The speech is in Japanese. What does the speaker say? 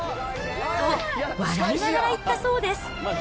と、笑いながら言ったそうです。